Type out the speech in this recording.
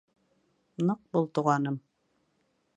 — Ныҡ бул, туғаным!